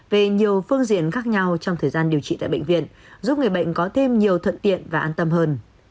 về nhiều phương diện khác nhau trong thời gian điều trị tại bệnh viện giúp người bệnh có thêm nhiều thuận tiện và an tâm hơn